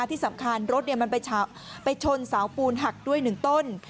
แล้วที่สำคัญรถมันไปชนสาวปูนหักด้วยหนึ่งต้น